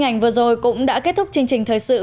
mặt trời cũng như ngày hôm nay